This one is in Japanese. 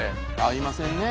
合いませんね。